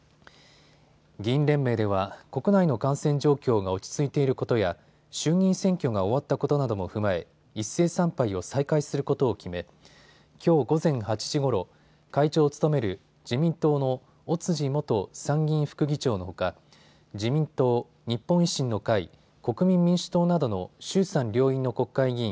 議員連盟では国内の感染状況が落ち着いていることや衆議院選挙が終わったことなども踏まえ一斉参拝を再開することを決めきょう午前８時ごろ、会長を務める自民党の尾辻元参議院副議長のほか自民党、日本維新の会、国民民主党などの衆参両院の国会議員